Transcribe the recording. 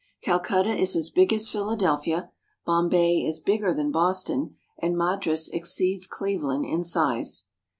Calcutta is as big as Philadelphia, Bombay is bigger than Boston, and Madras exceeds Cleveland in size.